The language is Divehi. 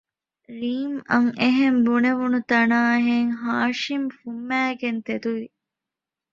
ރީމްއަށް އެހެން ބުނެވުނުތަނާހެން ހާޝިމް ފުންމައިގެން ތެދުވި